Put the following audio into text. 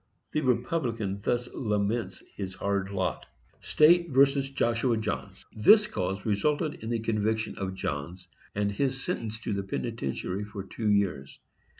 The Republican thus laments his hard lot: STATE v. JOSHUA JOHNS. This cause resulted in the conviction of Johns, and his sentence to the penitentiary for two years.